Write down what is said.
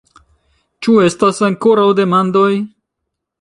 Ĉu estas ankoraŭ demandoj?